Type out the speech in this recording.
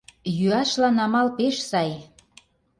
Йӱашлан амал пеш сай.